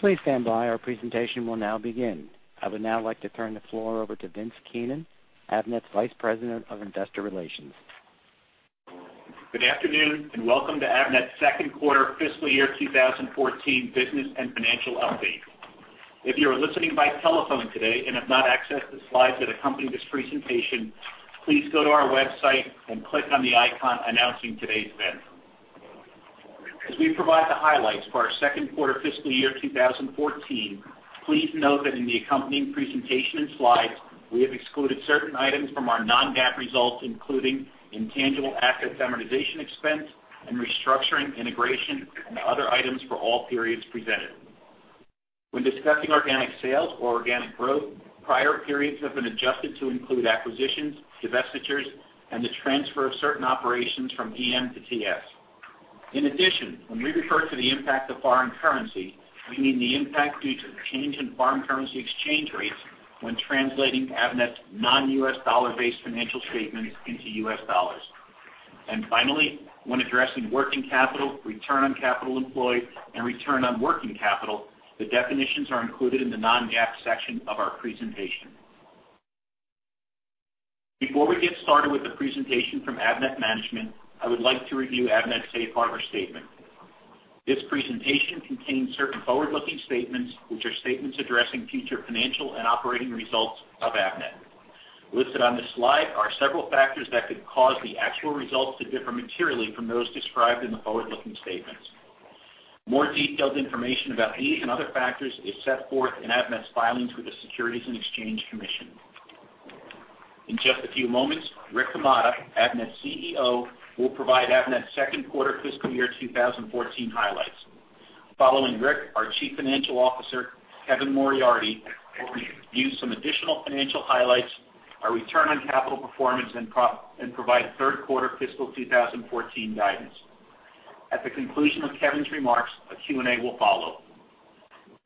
Please stand by. Our presentation will now begin. I would now like to turn the floor over to Vince Keenan, Avnet's Vice President of Investor Relations. Good afternoon, and welcome to Avnet's second quarter fiscal year 2014 business and financial update. If you are listening by telephone today and have not accessed the slides that accompany this presentation, please go to our website and click on the icon announcing today's event. As we provide the highlights for our second quarter fiscal year 2014, please note that in the accompanying presentation and slides, we have excluded certain items from our non-GAAP results, including intangible asset amortization expense and restructuring, integration, and other items for all periods presented. When discussing organic sales or organic growth, prior periods have been adjusted to include acquisitions, divestitures, and the transfer of certain operations from EM to TS. In addition, when we refer to the impact of foreign currency, we mean the impact due to the change in foreign currency exchange rates when translating Avnet's non-U.S. dollar-based financial statements into U.S. dollars. And finally, when addressing working capital, return on capital employed, and return on working capital, the definitions are included in the non-GAAP section of our presentation. Before we get started with the presentation from Avnet management, I would like to review Avnet's safe harbor statement. This presentation contains certain forward-looking statements, which are statements addressing future financial and operating results of Avnet. Listed on this slide are several factors that could cause the actual results to differ materially from those described in the forward-looking statements. More detailed information about these and other factors is set forth in Avnet's filings with the Securities and Exchange Commission. In just a few moments, Rick Hamada, Avnet's CEO, will provide Avnet's second quarter fiscal year 2014 highlights. Following Rick, our Chief Financial Officer, Kevin Moriarty, will review some additional financial highlights, our return on capital performance, and provide third quarter fiscal 2014 guidance. At the conclusion of Kevin's remarks, a Q&A will follow.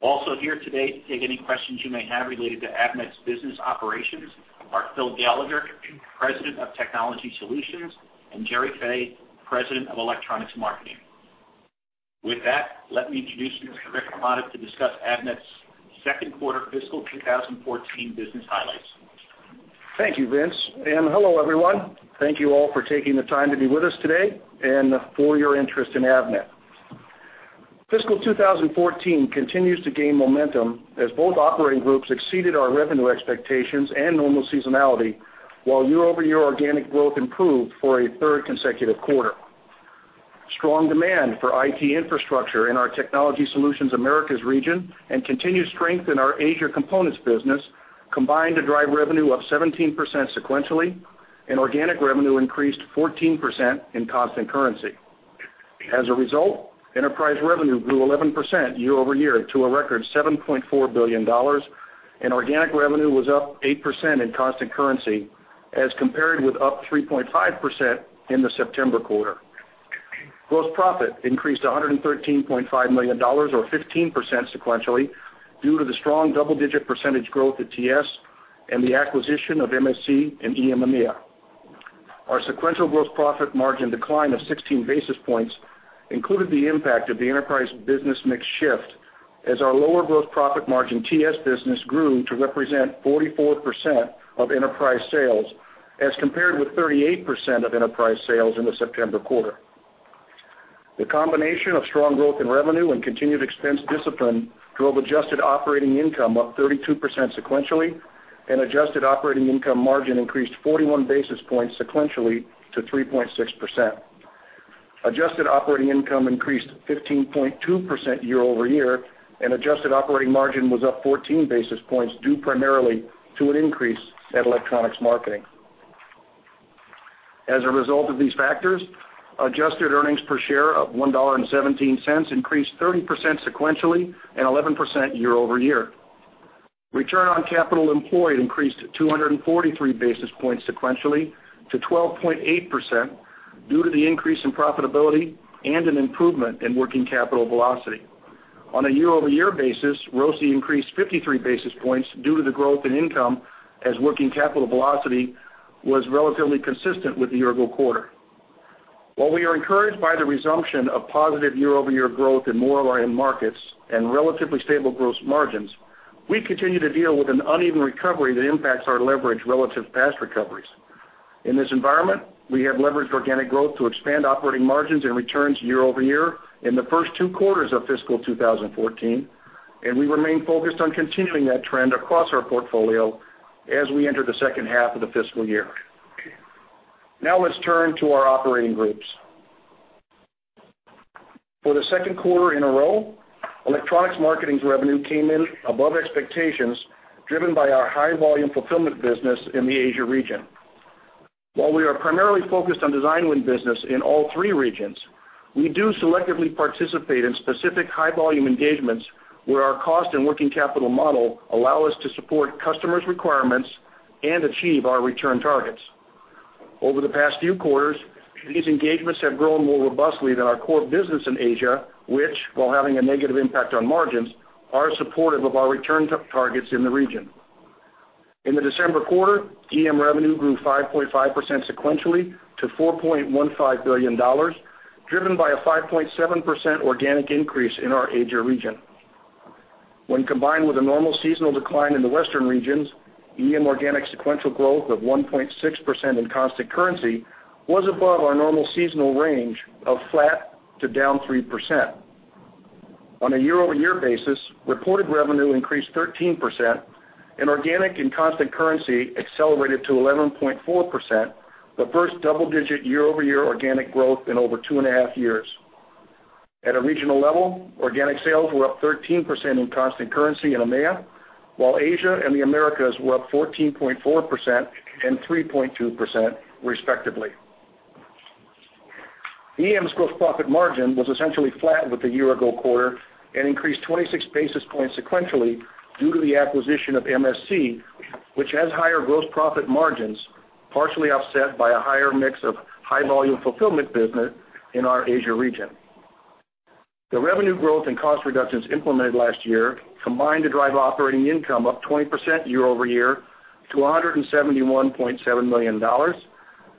Also here today to take any questions you may have related to Avnet's business operations are Phil Gallagher, President of Technology Solutions, and Gerry Fay, President of Electronics Marketing. With that, let me introduce you to Rick Hamada to discuss Avnet's second quarter fiscal 2014 business highlights. Thank you, Vince, and hello, everyone. Thank you all for taking the time to be with us today and for your interest in Avnet. Fiscal 2014 continues to gain momentum as both operating groups exceeded our revenue expectations and normal seasonality, while year-over-year organic growth improved for a third consecutive quarter. Strong demand for IT infrastructure in our Technology Solutions Americas region and continued strength in our Asia components business combined to drive revenue up 17% sequentially, and organic revenue increased 14% in constant currency. As a result, enterprise revenue grew 11% year over year to a record $7.4 billion, and organic revenue was up 8% in constant currency, as compared with up 3.5% in the September quarter. Gross profit increased to $113.5 million, or 15% sequentially, due to the strong double-digit percentage growth at TS and the acquisition of MSC and in EMEA. Our sequential gross profit margin decline of 16 basis points included the impact of the enterprise business mix shift, as our lower gross profit margin TS business grew to represent 44% of enterprise sales, as compared with 38% of enterprise sales in the September quarter. The combination of strong growth in revenue and continued expense discipline drove adjusted operating income up 32% sequentially, and adjusted operating income margin increased 41 basis points sequentially to 3.6%. Adjusted operating income increased 15.2% year-over-year, and adjusted operating margin was up 14 basis points, due primarily to an increase at Electronics Marketing. As a result of these factors, adjusted earnings per share of $1.17 increased 30% sequentially and 11% year-over-year. Return on capital employed increased 243 basis points sequentially to 12.8% due to the increase in profitability and an improvement in working capital velocity. On a year-over-year basis, ROCE increased 53 basis points due to the growth in income, as working capital velocity was relatively consistent with the year-ago quarter. While we are encouraged by the resumption of positive year-over-year growth in more of our end markets and relatively stable gross margins, we continue to deal with an uneven recovery that impacts our leverage relative to past recoveries. In this environment, we have leveraged organic growth to expand operating margins and returns year-over-year in the first two quarters of fiscal 2014, and we remain focused on continuing that trend across our portfolio as we enter the second half of the fiscal year. Now let's turn to our operating groups. For the second quarter in a row, Electronics Marketing's revenue came in above expectations, driven by our high-volume fulfillment business in the Asia region. While we are primarily focused on design win business in all three regions, we do selectively participate in specific high-volume engagements where our cost and working capital model allow us to support customers' requirements and achieve our return targets. Over the past few quarters, these engagements have grown more robustly than our core business in Asia, which, while having a negative impact on margins, are supportive of our return targets in the region. In the December quarter, EM revenue grew 5.5% sequentially to $4.15 billion, driven by a 5.7% organic increase in our Asia region. When combined with a normal seasonal decline in the Western regions, EM organic sequential growth of 1.6% in constant currency was above our normal seasonal range of flat to down 3%. On a year-over-year basis, reported revenue increased 13%, and organic and constant currency accelerated to 11.4%, the first double-digit year-over-year organic growth in over 2.5 years. At a regional level, organic sales were up 13% in constant currency in EMEA, while Asia and the Americas were up 14.4% and 3.2%, respectively. EM's gross profit margin was essentially flat with the year-ago quarter and increased 26 basis points sequentially due to the acquisition of MSC, which has higher gross profit margins, partially offset by a higher mix of high-volume fulfillment business in our Asia region. The revenue growth and cost reductions implemented last year combined to drive operating income up 20% year-over-year to $171.7 million,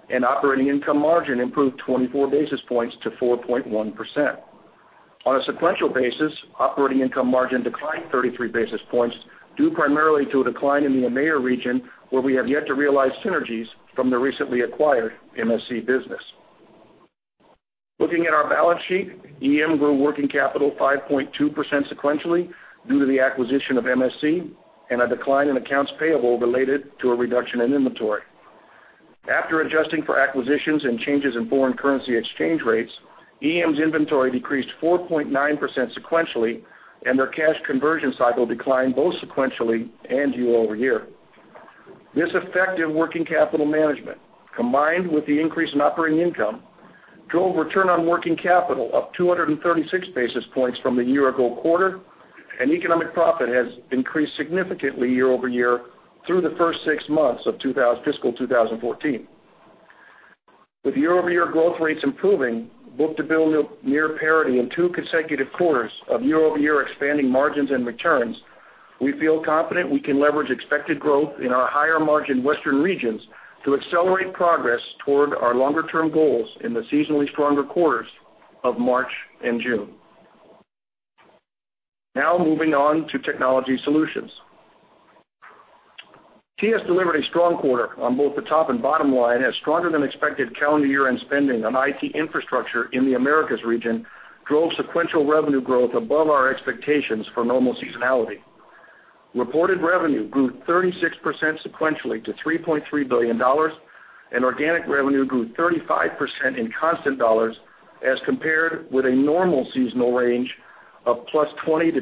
and operating income margin improved 24 basis points to 4.1%. On a sequential basis, operating income margin declined 33 basis points, due primarily to a decline in the EMEA region, where we have yet to realize synergies from the recently acquired MSC business. Looking at our balance sheet, EM grew working capital 5.2% sequentially due to the acquisition of MSC and a decline in accounts payable related to a reduction in inventory. After adjusting for acquisitions and changes in foreign currency exchange rates, EM's inventory decreased 4.9% sequentially, and their cash conversion cycle declined both sequentially and year-over-year. This effective working capital management, combined with the increase in operating income, drove return on working capital up 236 basis points from the year-ago quarter, and economic profit has increased significantly year-over-year through the first six months of fiscal 2014. With year-over-year growth rates improving, book-to-bill near parity in 2 consecutive quarters of year-over-year expanding margins and returns, we feel confident we can leverage expected growth in our higher-margin Western regions to accelerate progress toward our longer-term goals in the seasonally stronger quarters of March and June. Now moving on to Technology Solutions. TS delivered a strong quarter on both the top and bottom line, as stronger-than-expected calendar year-end spending on IT infrastructure in the Americas region drove sequential revenue growth above our expectations for normal seasonality. Reported revenue grew 36% sequentially to $3.3 billion, and organic revenue grew 35% in constant dollars, as compared with a normal seasonal range of +20%-26%.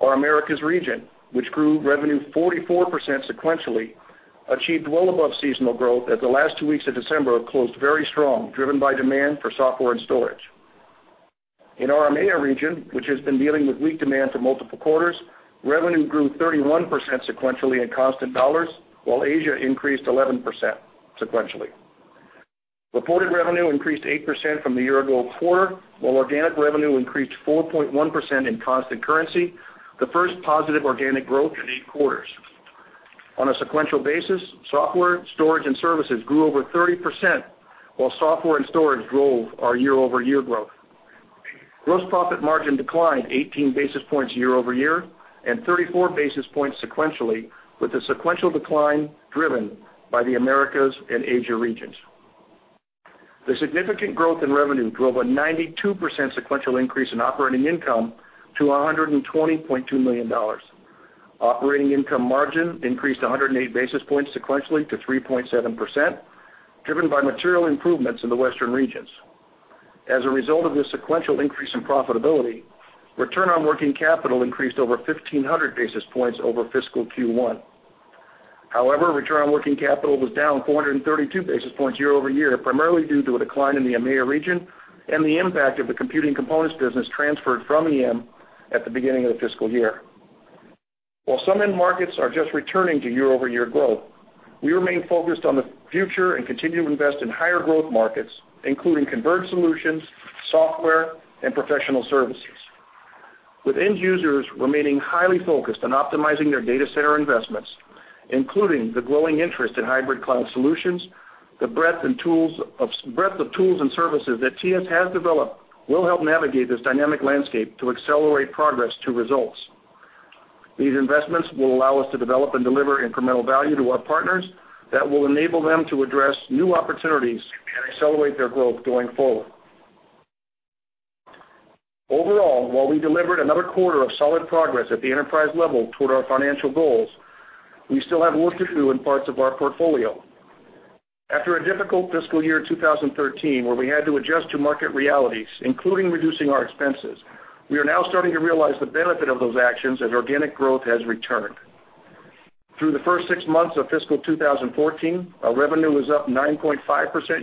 Our Americas region, which grew revenue 44% sequentially, achieved well above seasonal growth as the last two weeks of December closed very strong, driven by demand for software and storage. In our EMEA region, which has been dealing with weak demand for multiple quarters, revenue grew 31% sequentially in constant dollars, while Asia increased 11% sequentially. Reported revenue increased 8% from the year-ago quarter, while organic revenue increased 4.1% in constant currency, the first positive organic growth in eight quarters. On a sequential basis, software, storage, and services grew over 30%, while software and storage drove our year-over-year growth. Gross profit margin declined 18 basis points year over year and 34 basis points sequentially, with the sequential decline driven by the Americas and Asia regions. The significant growth in revenue drove a 92% sequential increase in operating income to $120.2 million. Operating income margin increased 108 basis points sequentially to 3.7%, driven by material improvements in the Western regions. As a result of this sequential increase in profitability, return on working capital increased over 1,500 basis points over fiscal Q1. However, return on working capital was down 432 basis points year-over-year, primarily due to a decline in the EMEA region and the impact of the computing components business transferred from EM at the beginning of the fiscal year. While some end markets are just returning to year-over-year growth, we remain focused on the future and continue to invest in higher-growth markets, including converged solutions, software, and professional services. With end users remaining highly focused on optimizing their data center investments, including the growing interest in hybrid cloud solutions, the breadth of tools and services that TS has developed will help navigate this dynamic landscape to accelerate progress to results. These investments will allow us to develop and deliver incremental value to our partners that will enable them to address new opportunities and accelerate their growth going forward. Overall, while we delivered another quarter of solid progress at the enterprise level toward our financial goals, we still have work to do in parts of our portfolio. After a difficult fiscal year 2013, where we had to adjust to market realities, including reducing our expenses, we are now starting to realize the benefit of those actions, and organic growth has returned. Through the first six months of fiscal 2014, our revenue was up 9.5%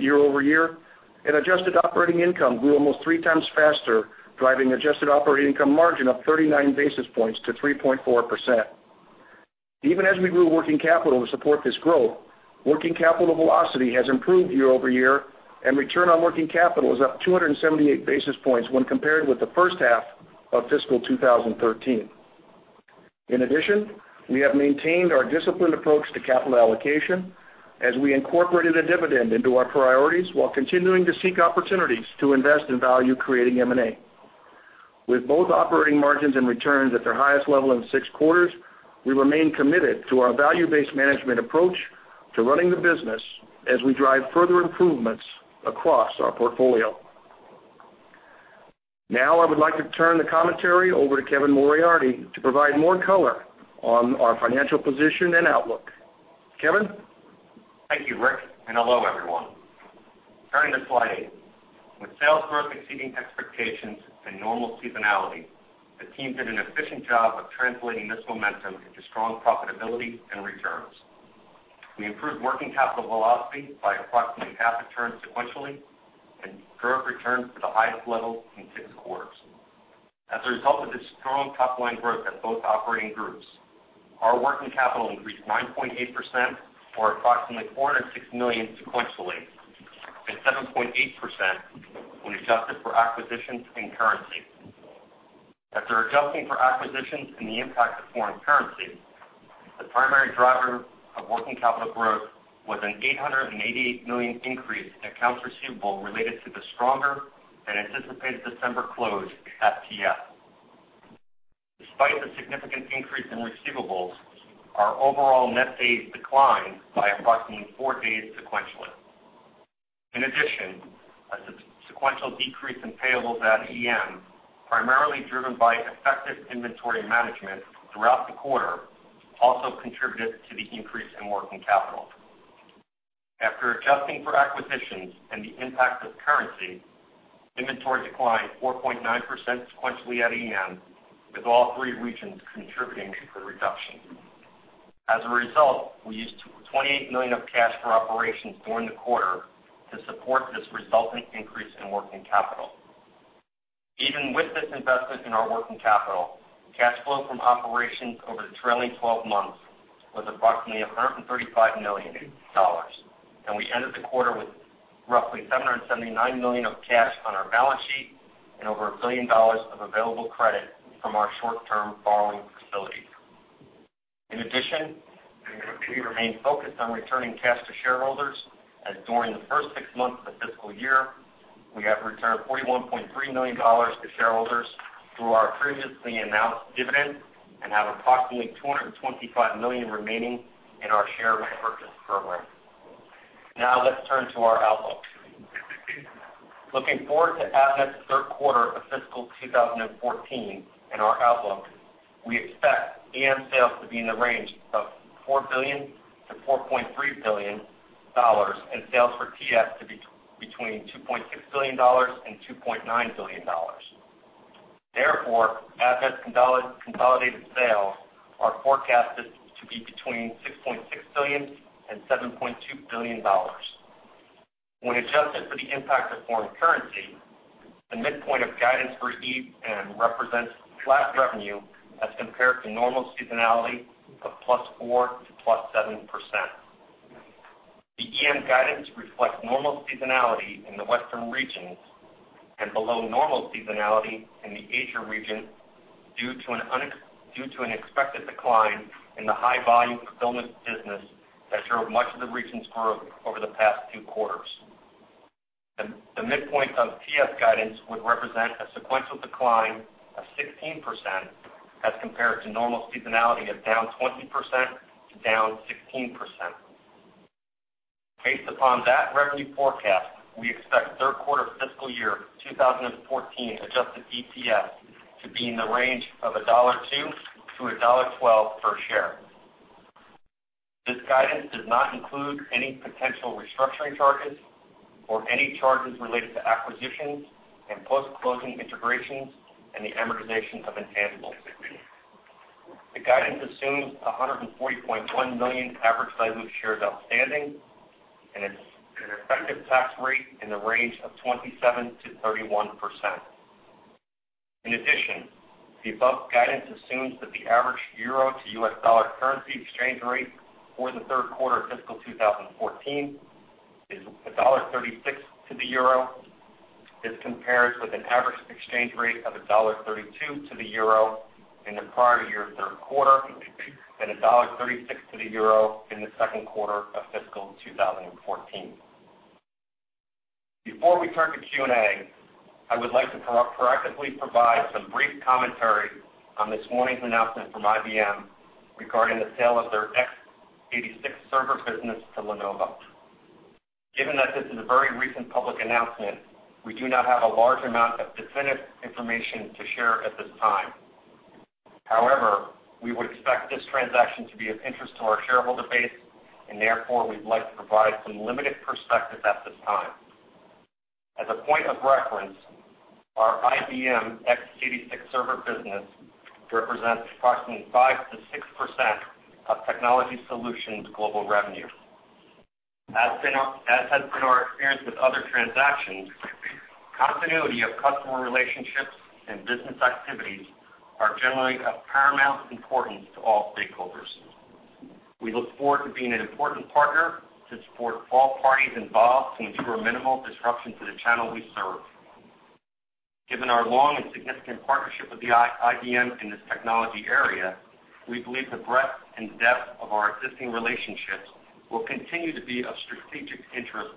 year-over-year, and adjusted operating income grew almost three times faster, driving adjusted operating income margin up 39 basis points to 3.4%. Even as we grew working capital to support this growth, working capital velocity has improved year-over-year, and return on working capital is up 278 basis points when compared with the first half of fiscal 2013. In addition, we have maintained our disciplined approach to capital allocation as we incorporated a dividend into our priorities, while continuing to seek opportunities to invest in value-creating M&A. With both operating margins and returns at their highest level in six quarters, we remain committed to our value-based management approach to running the business as we drive further improvements across our portfolio. Now, I would like to turn the commentary over to Kevin Moriarty to provide more color on our financial position and outlook. Kevin? Thank you, Rick, and hello, everyone. Turning to slide 8. With sales growth exceeding expectations and normal seasonality, the team did an efficient job of translating this momentum into strong profitability and returns. We improved working capital velocity by approximately half a turn sequentially and drove returns to the highest level in six quarters. As a result of this strong top-line growth at both operating groups, our working capital increased 9.8%, or approximately $406 million sequentially, and 7.8% when adjusted for acquisitions and currency. After adjusting for acquisitions and the impact of foreign currency, the primary driver of working capital growth was an $888 million increase in accounts receivable related to the stronger than anticipated December close at TS. Despite the significant increase in receivables, our overall net days declined by approximately 4 days sequentially. In addition, a sequential decrease in payables at EM, primarily driven by effective inventory management throughout the quarter, also contributed to the increase in working capital. After adjusting for acquisitions and the impact of currency, inventory declined 4.9% sequentially at EM, with all three regions contributing to the reduction. As a result, we used $28 million of cash for operations during the quarter to support this resultant increase in working capital. Even with this investment in our working capital, cash flow from operations over the trailing twelve months was approximately $135 million, and we ended the quarter with roughly $779 million of cash on our balance sheet and over $1 billion of available credit from our short-term borrowing facility. In addition, we remain focused on returning cash to shareholders, as during the first six months of the fiscal year, we have returned $41.3 million to shareholders through our previously announced dividend and have approximately 225 million remaining in our share repurchase program. Now, let's turn to our outlook. Looking forward to Avnet's third quarter of fiscal 2014 and our outlook, we expect EM sales to be in the range of $4 billion-$4.3 billion, and sales for TS to be between $2.6 billion and $2.9 billion. Therefore, Avnet's consolidated sales are forecasted to be between $6.6 billion and $7.2 billion. When adjusted for the impact of foreign currency, the midpoint of guidance for EM represents flat revenue as compared to normal seasonality of +4% to +7%. The EM guidance reflects normal seasonality in the Western regions and below normal seasonality in the Asia region due to an expected decline in the high-volume fulfillment business that drove much of the region's growth over the past two quarters. The midpoint of TS guidance would represent a sequential decline of 16% as compared to normal seasonality of down 20% to down 16%. Based upon that revenue forecast, we expect third quarter fiscal year 2014 adjusted EPS to be in the range of $1.02-$1.12 per share. This guidance does not include any potential restructuring charges or any charges related to acquisitions and post-closing integrations and the amortization of intangibles. The guidance assumes 140.1 million average diluted shares outstanding and an effective tax rate in the range of 27%-31%. In addition, the above guidance assumes that the average euro to US dollar currency exchange rate for the third quarter of fiscal 2014 is $1.36 to the euro. This compares with an average exchange rate of $1.32 to the euro in the prior year third quarter, and $1.36 to the euro in the second quarter of fiscal 2014. Before we turn to Q&A, I would like to proactively provide some brief commentary on this morning's announcement from IBM regarding the sale of their x86 server business to Lenovo. Given that this is a very recent public announcement, we do not have a large amount of definitive information to share at this time. However, we would expect this transaction to be of interest to our shareholder base, and therefore, we'd like to provide some limited perspective at this time. As a point of reference, our IBM x86 server business represents approximately 5%-6% of Technology Solutions' global revenue. As has been our experience with other transactions, continuity of customer relationships and business activities are generally of paramount importance to all stakeholders. We look forward to being an important partner to support all parties involved to ensure minimal disruption to the channel we serve. Given our long and significant partnership with IBM in this technology area, we believe the breadth and depth of our existing relationships will continue to be of strategic interest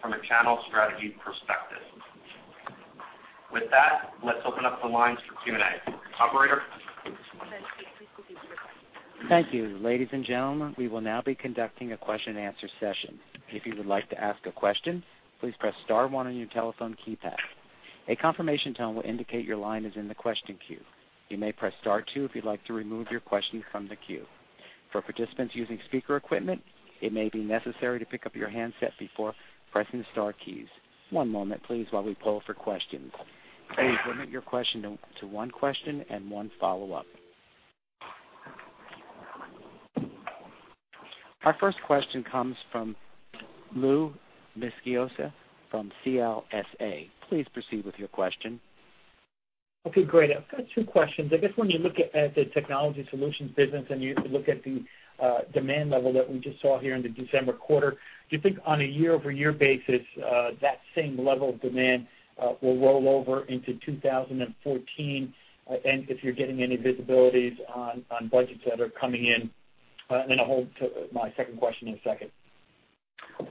from a channel strategy perspective. With that, let's open up the lines for Q&A. Operator? Thank you. Ladies and gentlemen, we will now be conducting a question-and-answer session. If you would like to ask a question, please press star one on your telephone keypad. A confirmation tone will indicate your line is in the question queue. You may press star two if you'd like to remove your question from the queue. For participants using speaker equipment, it may be necessary to pick up your handset before pressing the star keys. One moment, please, while we poll for questions. Please limit your question to one question and one follow-up. Our first question comes from Lou Miscioscia from CLSA. Please proceed with your question. Okay, great. I've got two questions. I guess when you look at the technology solutions business and you look at the demand level that we just saw here in the December quarter, do you think on a year-over-year basis that same level of demand will roll over into 2014? And if you're getting any visibilities on budgets that are coming in. And then I'll hold to my second question in a second.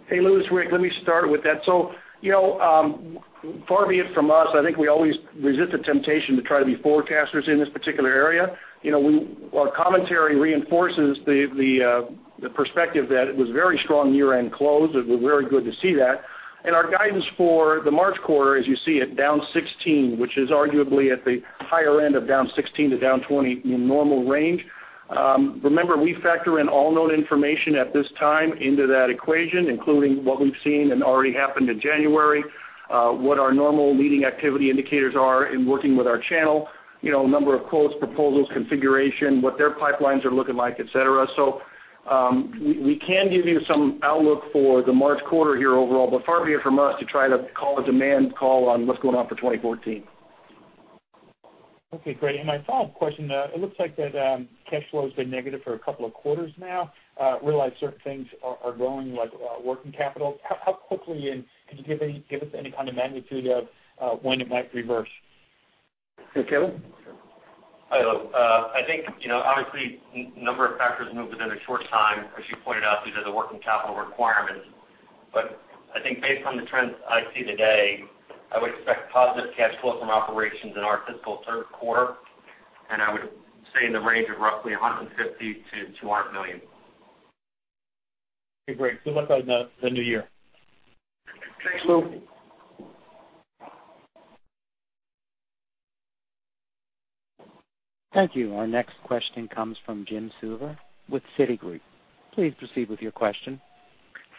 Hey, Louis, Rick, let me start with that. So, you know, far be it from us, I think we always resist the temptation to try to be forecasters in this particular area. You know, our commentary reinforces the perspective that it was very strong year-end close. It was very good to see that. And our guidance for the March quarter, as you see it, down 16%, which is arguably at the higher end of down 16%-20% in normal range. Remember, we factor in all known information at this time into that equation, including what we've seen and already happened in January, what our normal leading activity indicators are in working with our channel, you know, number of quotes, proposals, configuration, what their pipelines are looking like, et cetera. We can give you some outlook for the March quarter here overall, but far be it from us to try to call a demand call on what's going on for 2014. Okay, great. And my follow-up question, it looks like that cash flow has been negative for a couple of quarters now. Realize certain things are growing, like working capital. How quickly, and could you give us any kind of magnitude of when it might reverse? Hey, Kevin? Hi, Lou. I think, you know, obviously, number of factors moved within a short time. As you pointed out, these are the working capital requirements. But I think based on the trends I see today, I would expect positive cash flow from operations in our fiscal third quarter, and I would say in the range of roughly $150 million-$200 million. Okay, great. Good luck on the new year. Thanks, Lou. Thank you. Our next question comes from Jim Suva with Citigroup. Please proceed with your question.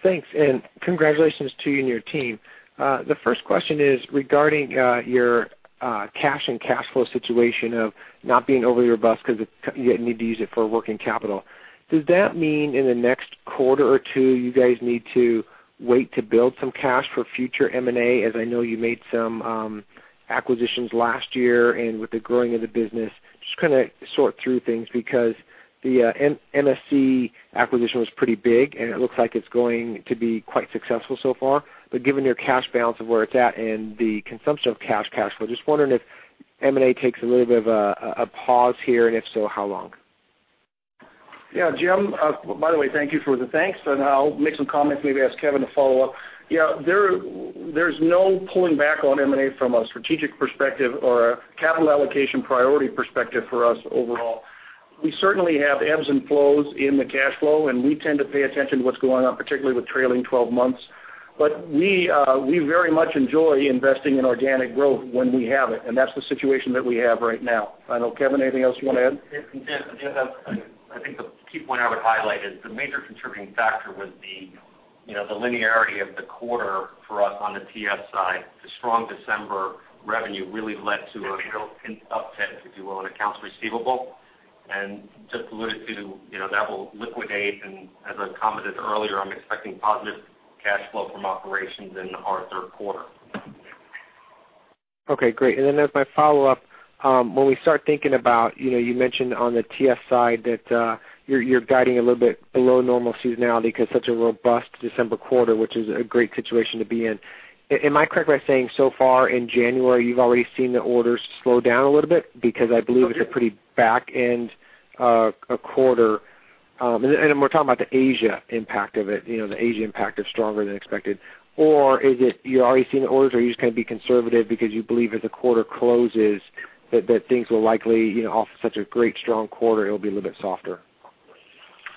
Thanks, and congratulations to you and your team. The first question is regarding your cash and cash flow situation of not being overly robust because you need to use it for working capital. Does that mean in the next quarter or two, you guys need to wait to build some cash for future M&A? As I know, you made some acquisitions last year, and with the growing of the business, just kind of sort through things because the MSC acquisition was pretty big, and it looks like it's going to be quite successful so far. But given your cash balance of where it's at and the consumption of cash, cash flow, just wondering if M&A takes a little bit of a pause here, and if so, how long? Yeah, Jim, by the way, thank you for the thanks, and I'll make some comments, maybe ask Kevin to follow up. Yeah, there's no pulling back on M&A from a strategic perspective or a capital allocation priority perspective for us overall. We certainly have ebbs and flows in the cash flow, and we tend to pay attention to what's going on, particularly with trailing twelve months. But we very much enjoy investing in organic growth when we have it, and that's the situation that we have right now. I know, Kevin, anything else you want to add? Yes, Jim, I think the key point I would highlight is the major contributing factor was the, you know, the linearity of the quarter for us on the TS side. The strong December revenue really led to a real uptick, if you will, in accounts receivable. Just to allude to, you know, that will liquidate, and as I commented earlier, I'm expecting positive cash flow from operations in our third quarter. Okay, great. And then as my follow-up, when we start thinking about, you know, you mentioned on the TS side that you're guiding a little bit below normal seasonality because such a robust December quarter, which is a great situation to be in. Am I correct by saying so far in January, you've already seen the orders slow down a little bit? Because I believe it's a pretty back end quarter, and we're talking about the Asia impact of it, you know, the Asia impact is stronger than expected. Or is it you're already seeing the orders, or you just kind of be conservative because you believe as the quarter closes, that things will likely, you know, off such a great strong quarter, it'll be a little bit softer?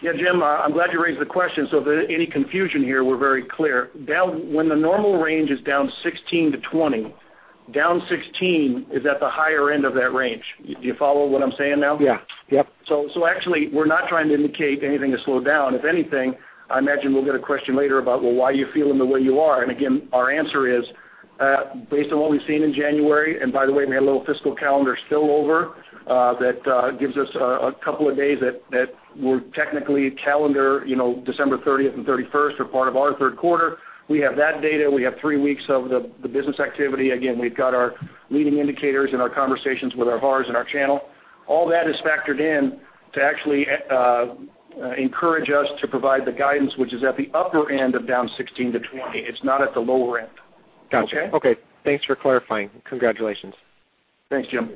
Yeah, Jim, I'm glad you raised the question, so if there any confusion here, we're very clear. Down. When the normal range is down 16-20, down 16 is at the higher end of that range. Do you follow what I'm saying now? Yeah. Yep. So actually, we're not trying to indicate anything to slow down. If anything, I imagine we'll get a question later about, well, why are you feeling the way you are? And again, our answer is based on what we've seen in January, and by the way, we had a little fiscal calendar spillover that gives us a couple of days that were technically calendar, you know, December thirtieth and thirty-first are part of our third quarter. We have that data, we have three weeks of the business activity. Again, we've got our leading indicators and our conversations with our VARs and our channel. All that is factored in to actually encourage us to provide the guidance, which is at the upper end of down 16-20. It's not at the lower end. Gotcha. Okay? Okay. Thanks for clarifying. Congratulations. Thanks, Jim.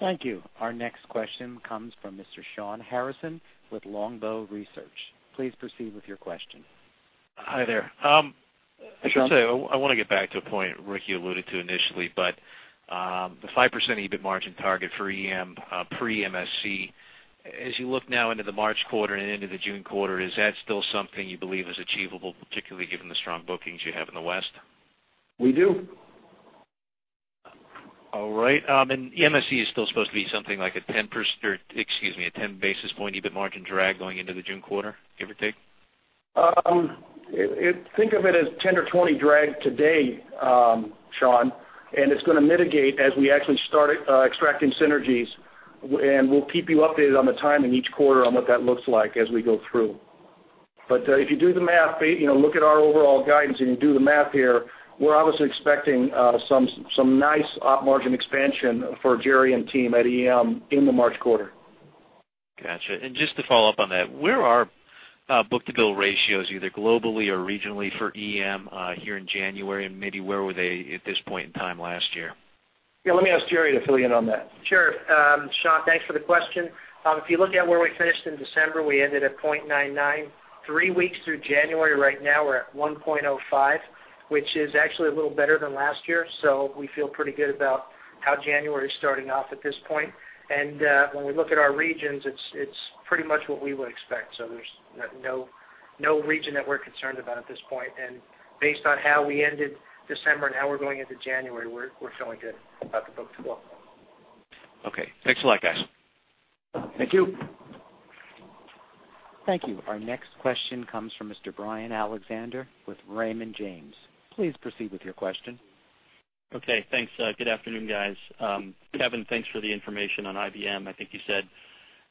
Thank you. Our next question comes from Mr. Sean Harrison with Longbow Research. Please proceed with your question. Hi there. I should say, I wanna get back to a point Rick, you alluded to initially, but, the 5% EBIT margin target for EM, pre MSC, as you look now into the March quarter and into the June quarter, is that still something you believe is achievable, particularly given the strong bookings you have in the West? We do. All right. MSC is still supposed to be something like a 10%- or excuse me, a 10 basis point EBIT margin drag going into the June quarter, give or take? Think of it as 10 or 20 drag today, Sean, and it's gonna mitigate as we actually start extracting synergies. And we'll keep you updated on the timing each quarter on what that looks like as we go through. But if you do the math, you know, look at our overall guidance, and you do the math here, we're obviously expecting some nice op margin expansion for Gerry and team at EM in the March quarter. Gotcha. And just to follow up on that, where are book-to-bill ratios, either globally or regionally for EM, here in January, and maybe where were they at this point in time last year? Yeah, let me ask Gerry to fill in on that. Sure. Sean, thanks for the question. If you look at where we finished in December, we ended at 0.99. Three weeks through January, right now, we're at 1.05, which is actually a little better than last year. So we feel pretty good about how January is starting off at this point. When we look at our regions, it's pretty much what we would expect. So there's no region that we're concerned about at this point. And based on how we ended December and how we're going into January, we're feeling good about the book-to-bill. Okay. Thanks a lot, guys. Thank you. Thank you. Our next question comes from Mr. Brian Alexander with Raymond James. Please proceed with your question. Okay, thanks. Good afternoon, guys. Kevin, thanks for the information on IBM. I think you said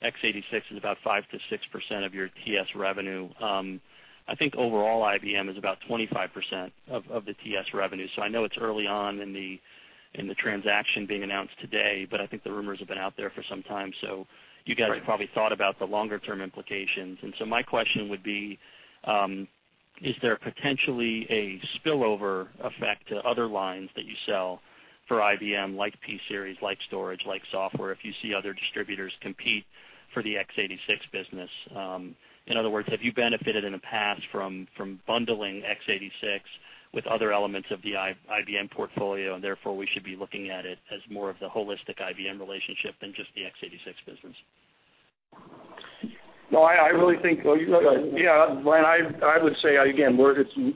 x86 is about 5%-6% of your TS revenue. I think overall, IBM is about 25% of the TS revenue. So I know it's early on in the transaction being announced today, but I think the rumors have been out there for some time, so- Right... you guys have probably thought about the longer term implications. And so my question would be, is there potentially a spillover effect to other lines that you sell for IBM, like pSeries, like storage, like software, if you see other distributors compete for the x86 business? In other words, have you benefited in the past from bundling x86 with other elements of the IBM portfolio, and therefore, we should be looking at it as more of the holistic IBM relationship than just the x86 business? No, I really think, well, yeah, Brian, I would say, again,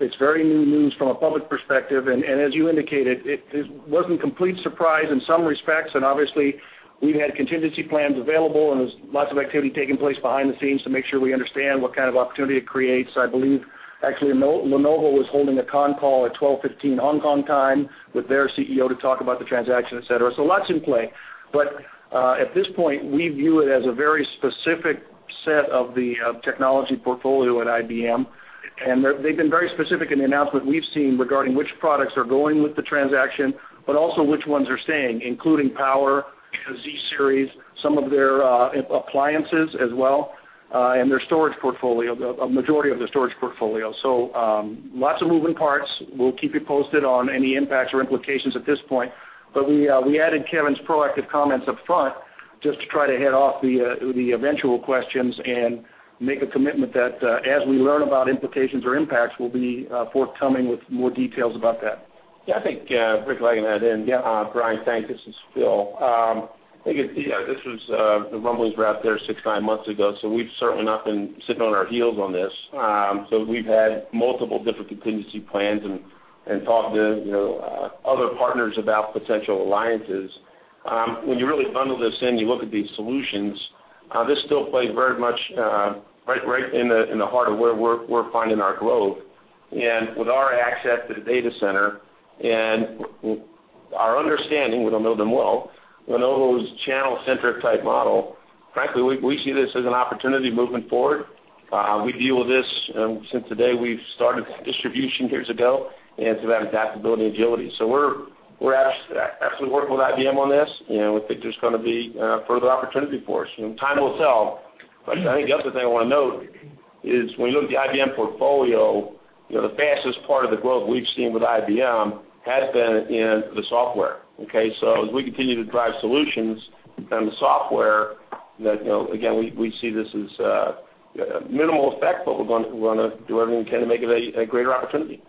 it's very new news from a public perspective. As you indicated, it wasn't complete surprise in some respects, and obviously, we've had contingency plans available, and there's lots of activity taking place behind the scenes to make sure we understand what kind of opportunity it creates. I believe, actually, Lenovo was holding a con call at 12:15, Hong Kong time, with their CEO to talk about the transaction, et cetera. So lots in play. But at this point, we view it as a very specific set of the technology portfolio at IBM. They've been very specific in the announcement we've seen regarding which products are going with the transaction, but also which ones are staying, including Power, the zSeries, some of their appliances as well, and their storage portfolio, the majority of their storage portfolio. Lots of moving parts. We'll keep you posted on any impacts or implications at this point. We added Kevin's proactive comments up front just to try to head off the eventual questions and make a commitment that, as we learn about implications or impacts, we'll be forthcoming with more details about that. Yeah, I think, Rick, I can add in. Yeah. Brian, thanks. This is Phil. I think it, yeah, this was, the rumblings were out there 6-9 months ago, so we've certainly not been sitting on our heels on this. So we've had multiple different contingency plans and, and talked to, you know, other partners about potential alliances. When you really bundle this in, you look at these solutions, this still plays very much, right, right in the, in the heart of where we're, we're finding our growth. And with our access to the data center and our understanding, we don't know them well, Lenovo's channel-centric type model, frankly, we, we see this as an opportunity moving forward. We deal with this, since the day we've started distribution years ago, and it's about adaptability and agility. So we're absolutely working with IBM on this, and we think there's gonna be further opportunity for us, and time will tell. But I think the other thing I wanna note is when you look at the IBM portfolio, you know, the fastest part of the growth we've seen with IBM has been in the software, okay? So as we continue to drive solutions and the software that, you know, again, we see this as minimal effect, but we're gonna do everything we can to make it a greater opportunity.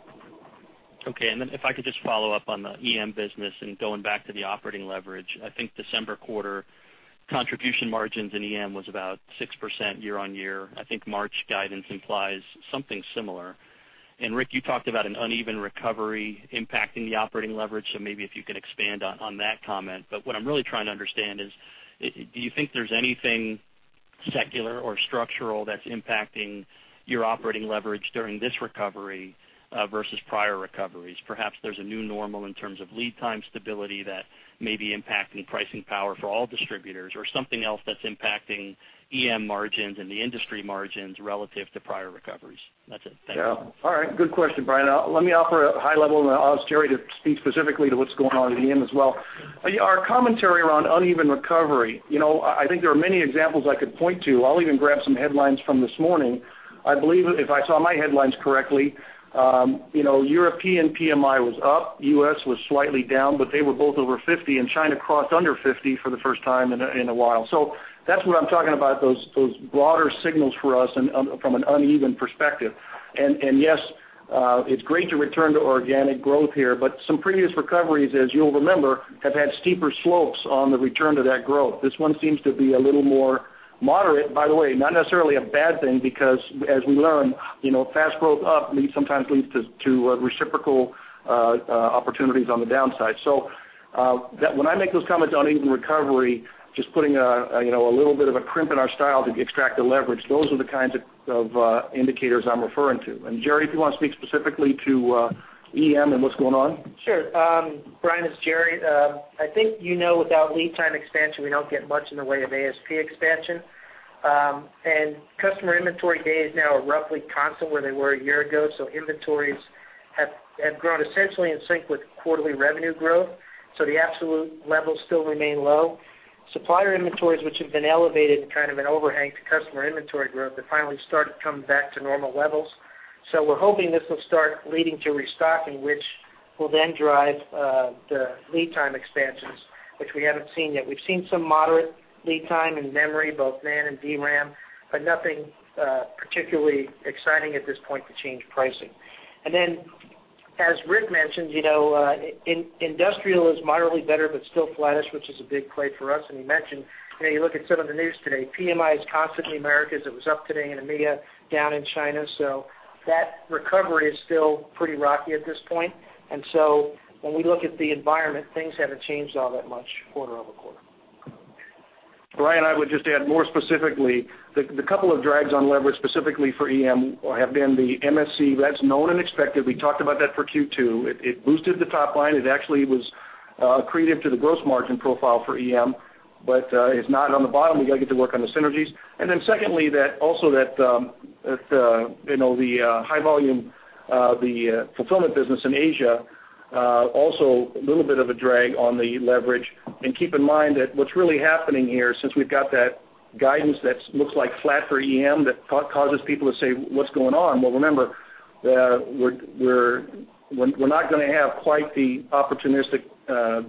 Okay, and then if I could just follow up on the EM business and going back to the operating leverage. I think December quarter contribution margins in EM was about 6% year-on-year. I think March guidance implies something similar. And Rick, you talked about an uneven recovery impacting the operating leverage, so maybe if you could expand on that comment. But what I'm really trying to understand is, do you think there's anything secular or structural that's impacting your operating leverage during this recovery versus prior recoveries? Perhaps there's a new normal in terms of lead time stability that may be impacting pricing power for all distributors, or something else that's impacting EM margins and the industry margins relative to prior recoveries. That's it. Thank you. Yeah. All right. Good question, Brian. Let me offer a high level, and I'll ask Gerry to speak specifically to what's going on in EM as well. Our commentary around uneven recovery, you know, I think there are many examples I could point to. I'll even grab some headlines from this morning. I believe, if I saw my headlines correctly, you know, European PMI was up, U.S. was slightly down, but they were both over 50, and China crossed under 50 for the first time in a while. So that's what I'm talking about, those broader signals for us and, from an uneven perspective. And yes, it's great to return to organic growth here, but some previous recoveries, as you'll remember, have had steeper slopes on the return to that growth. This one seems to be a little more moderate. By the way, not necessarily a bad thing, because as we learn, you know, fast growth up leads, sometimes leads to reciprocal opportunities on the downside. So, that, when I make those comments on uneven recovery, just putting you know, a little bit of a crimp in our style to extract the leverage, those are the kinds of indicators I'm referring to. And Gerry, if you want to speak specifically to EM and what's going on? Sure. Brian, it's Gerry. I think you know, without lead time expansion, we don't get much in the way of ASP expansion. And customer inventory days now are roughly constant where they were a year ago, so inventories have grown essentially in sync with quarterly revenue growth, so the absolute levels still remain low. Supplier inventories, which have been elevated in kind of an overhang to customer inventory growth, they finally start to come back to normal levels. So we're hoping this will start leading to restocking, which will then drive the lead time expansions, which we haven't seen yet. We've seen some moderate lead time in memory, both NAND and DRAM, but nothing particularly exciting at this point to change pricing. And then, as Rick mentioned, you know, industrial is moderately better, but still flattish, which is a big play for us. And he mentioned, you know, you look at some of the news today, PMI is constant in the Americas. It was up today in EMEA, down in China, so that recovery is still pretty rocky at this point. And so when we look at the environment, things haven't changed all that much quarter-over-quarter. Brian, I would just add more specifically, the couple of drags on leverage, specifically for EM, have been the MSC. That's known and expected. We talked about that for Q2. It boosted the top line. It actually was accretive to the gross margin profile for EM, but it's not on the bottom. We got to get to work on the synergies. And then secondly, that, you know, the high volume, the fulfillment business in Asia, also a little bit of a drag on the leverage. Keep in mind that what's really happening here, since we've got that guidance that looks like flat for EM, that causes people to say, "What's going on?" Well, remember, we're not gonna have quite the opportunistic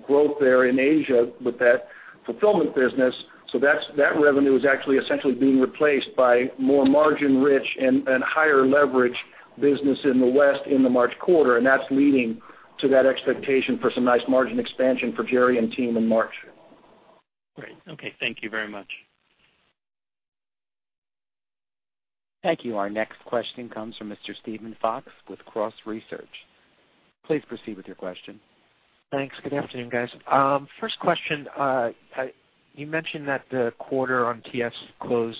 growth there in Asia with that fulfillment business, so that's that revenue is actually essentially being replaced by more margin-rich and higher leverage business in the West, in the March quarter, and that's leading to that expectation for some nice margin expansion for Gerry and team in March. Great. Okay. Thank you very much. Thank you. Our next question comes from Mr. Steven Fox with Cross Research. Please proceed with your question. Thanks. Good afternoon, guys. First question, you mentioned that the quarter on TS closed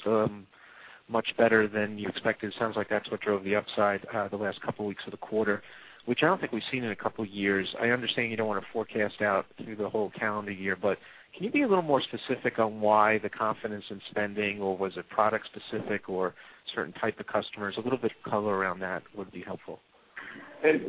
much better than you expected. Sounds like that's what drove the upside the last couple weeks of the quarter, which I don't think we've seen in a couple years. I understand you don't want to forecast out through the whole calendar year, but can you be a little more specific on why the confidence in spending, or was it product specific or certain type of customers? A little bit of color around that would be helpful.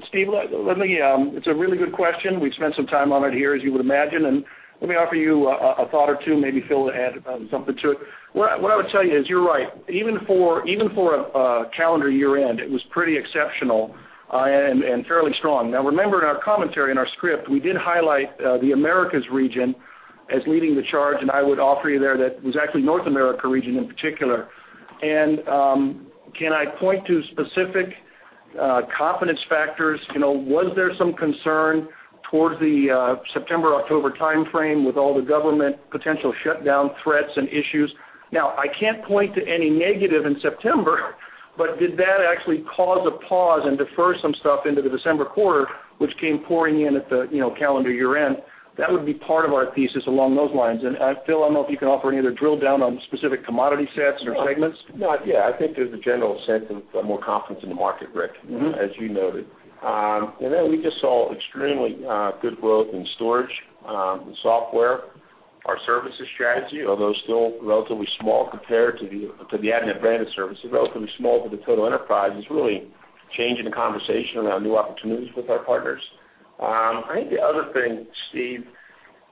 Steve, let me. It's a really good question. We've spent some time on it here, as you would imagine, and let me offer you a thought or two, maybe Phil will add something to it. What I would tell you is you're right, even for a calendar year end, it was pretty exceptional and fairly strong. Now, remember, in our commentary, in our script, we did highlight the Americas region as leading the charge, and I would offer you there that it was actually North America region in particular. And can I point to specific confidence factors? You know, was there some concern towards the September-October timeframe with all the government potential shutdown threats and issues? Now, I can't point to any negative in September, but did that actually cause a pause and defer some stuff into the December quarter, which came pouring in at the, you know, calendar year-end? That would be part of our thesis along those lines. And, Phil, I don't know if you can offer any other drill down on specific commodity sets or segments. No, yeah, I think there's a general sense of more confidence in the market, Rick. Mm-hmm. -as you noted. And then we just saw extremely good growth in storage and software. Our services strategy, although still relatively small compared to the, to the Avnet branded services, relatively small to the total enterprise, is really changing the conversation around new opportunities with our partners. I think the other thing, Steve,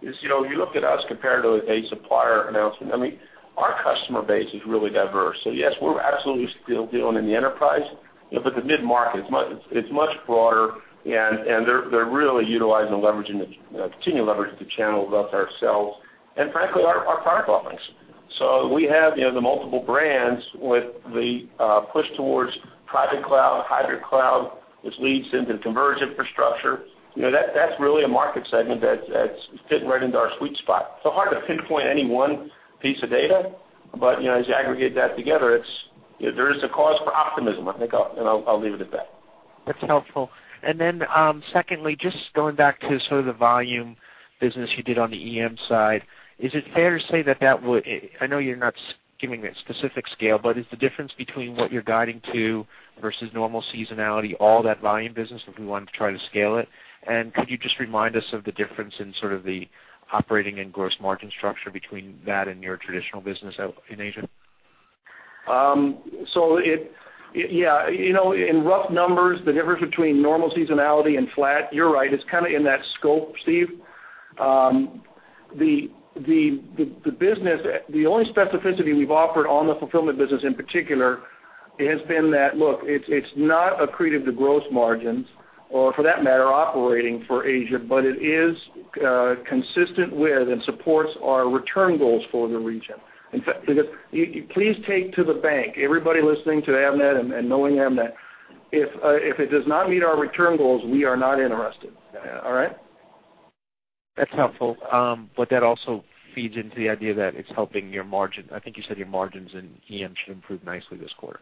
is, you know, you look at us compared to a supplier announcement, I mean, our customer base is really diverse. So yes, we're absolutely still dealing in the enterprise, you know, but the mid-market, it's it's much broader, and and they're they're really utilizing and leveraging the continuing to leverage the channel with us, ourselves, and frankly, our our product offerings. So we have, you know, the multiple brands with the push towards private cloud, hybrid cloud, which leads into converged infrastructure. You know, that's really a market segment that's fitting right into our sweet spot. So hard to pinpoint any one piece of data, but, you know, as you aggregate that together, it's, you know, there is a cause for optimism. I think I'll leave it at that.... That's helpful. And then, secondly, just going back to sort of the volume business you did on the EM side, is it fair to say that that would, I know you're not giving a specific scale, but is the difference between what you're guiding to versus normal seasonality, all that volume business, if we wanted to try to scale it? And could you just remind us of the difference in sort of the operating and gross margin structure between that and your traditional business out in Asia? So, yeah, you know, in rough numbers, the difference between normal seasonality and flat, you're right, it's kind of in that scope, Steve. The business, the only specificity we've offered on the fulfillment business, in particular, has been that, look, it's not accretive to gross margins or for that matter, operating for Asia, but it is consistent with and supports our return goals for the region. In fact, please take to the bank, everybody listening to Avnet and knowing Avnet, if it does not meet our return goals, we are not interested. All right? That's helpful. But that also feeds into the idea that it's helping your margin. I think you said your margins in EM should improve nicely this quarter.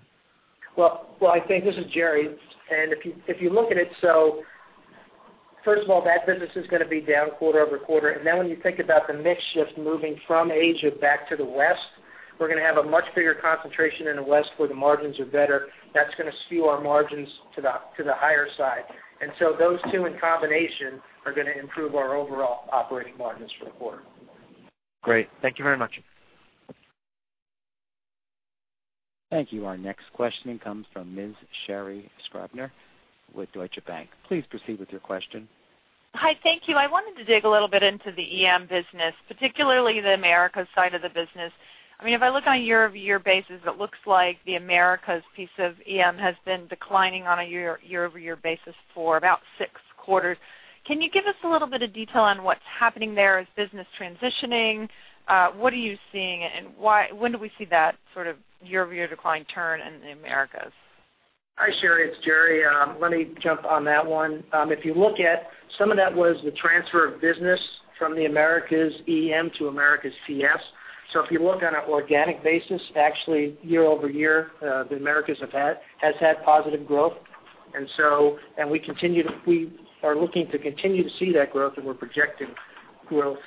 Well, I think this is Gerry, and if you look at it, so first of all, that business is gonna be down quarter-over-quarter. And then when you think about the mix shift moving from Asia back to the West, we're gonna have a much bigger concentration in the West, where the margins are better. That's gonna skew our margins to the higher side. And so those two, in combination, are gonna improve our overall operating margins for the quarter. Great. Thank you very much. Thank you. Our next questioning comes from Ms. Sherri Scribner with Deutsche Bank. Please proceed with your question. Hi, thank you. I wanted to dig a little bit into the EM business, particularly the Americas side of the business. I mean, if I look on a year-over-year basis, it looks like the Americas piece of EM has been declining on a year-over-year basis for about six quarters. Can you give us a little bit of detail on what's happening there? Is business transitioning? What are you seeing, and why-when do we see that sort of year-over-year decline turn in the Americas? Hi, Sherri, it's Gerry. Let me jump on that one. If you look at some of that was the transfer of business from the Americas EM to Americas TS. So if you look on an organic basis, actually year-over-year, the Americas has had positive growth. And so, we are looking to continue to see that growth, and we're projecting growth